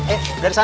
eh dari sana